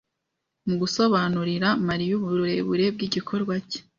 Mu gusobanurira Mariya uburebure bw'igikorwa cye